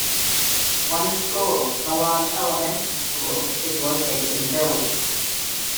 One school, Milan Elementary School, is located in the village.